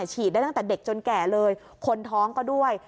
ฉีดได้ตั้งแต่เด็กจนแก่เลยคนท้องก็ด้วย